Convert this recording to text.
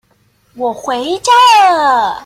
我回家了